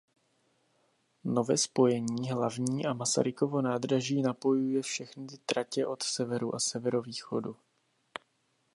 Nové spojení hlavní a Masarykovo nádraží napojuje všechny tratě od severu a severovýchodu.